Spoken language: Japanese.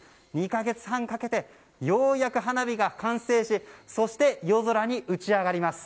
２か月半かけてようやく花火が完成しそして、夜空に打ち上がります。